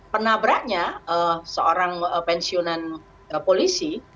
penabraknya seorang pensiunan polisi